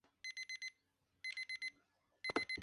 Consiguió un concejal en Jerte.